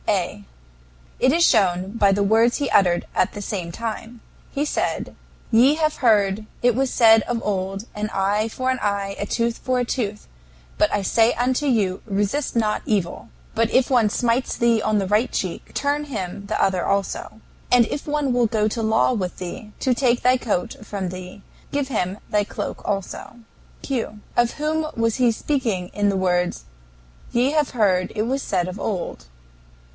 A. It is shown by the words he uttered at the same time. He said: "Ye have heard, it was said of old, An eye for an eye, and a tooth for a tooth. But I say unto you Resist not evil. But if one smites thee on the right cheek, turn him the other also; and if one will go to law with thee to take thy coat from thee, give him thy cloak also." Q. Of whom was he speaking in the words, "Ye have heard it was said of old"?